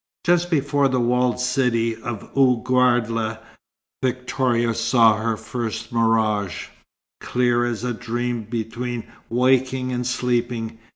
Just before the walled city of Ouargla, Victoria saw her first mirage, clear as a dream between waking and sleeping.